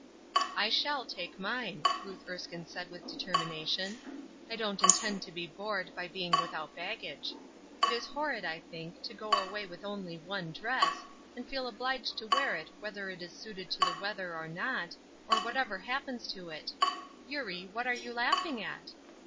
"I shall take mine," Ruth Erskine said with determination. "I don't intend to be bored by being without baggage. It is horrid, I think, to go away with only one dress, and feel obliged to wear it whether it is suited to the weather or not, or whatever happens to it. Eurie, what are you laughing at?"